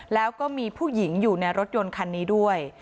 แล้วก็มีผู้หญิงอยู่ในรถยนต์คันนี้ด้วย